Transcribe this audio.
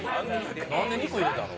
「なんで“肉”入れたの？」